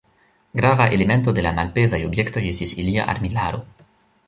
Grava elemento de la malpezaj objektoj estis ilia armilaro.